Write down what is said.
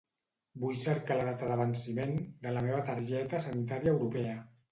Vull cercar la data de venciment de la meva targeta sanitària europea.